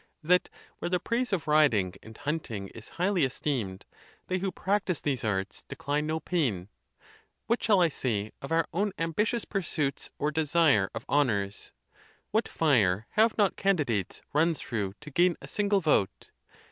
that where the praise of riding and hunting is highly esteemed, they who practice these arts decline no pain? What shall I say of our own ambitious pursuits or desire of honors? What fire have not candidates run through to gain a single vote?